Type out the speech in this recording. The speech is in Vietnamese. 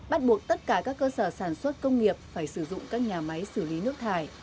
bắt buộc tất cả các cơ sở sản xuất công nghiệp phải sử dụng các nhà máy xử lý nước thải